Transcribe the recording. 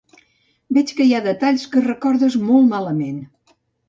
Veig que hi ha detalls que recordes molt malament.